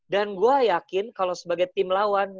dan gue yakin kalau sebagai tim lawan